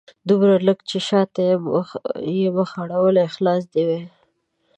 دومره لږ چې شاته مې مخ اړولی خلاص دې وای